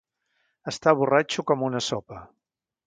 Està borratxo com una sopa.